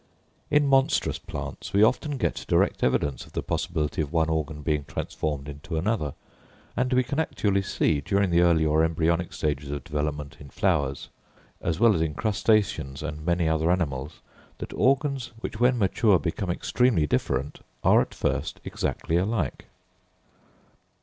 In monstrous plants, we often get direct evidence of the possibility of one organ being transformed into another; and we can actually see, during the early or embryonic stages of development in flowers, as well as in crustaceans and many other animals, that organs, which when mature become extremely different are at first exactly alike.